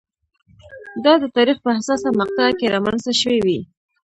دا د تاریخ په حساسه مقطعه کې رامنځته شوې وي.